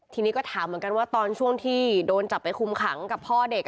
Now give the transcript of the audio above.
ทีนี้ก็ถามเหมือนกันว่าตอนช่วงที่โดนจับไปคุมขังกับพ่อเด็ก